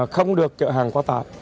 không được chợ hàng qua tạp